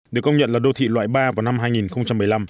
được công nhận là đô thị loại ba vào năm hai nghìn một mươi năm